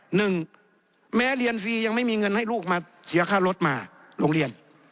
หนึ่งแม้เรียนฟรียังไม่มีเงินให้ลูกมาเสียค่ารถมาโรงเรียน